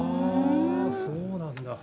そうなんだ。